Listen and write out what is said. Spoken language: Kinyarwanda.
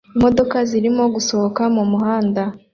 Imodoka zirimo gusohoka mumuhanda